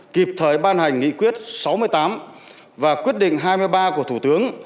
kịp thời ban hành nghị quyết sáu mươi tám và quyết định hai mươi ba của thủ tướng